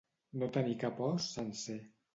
No tenir cap os sencer.